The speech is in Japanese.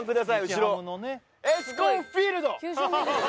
後ろエスコンフィールド！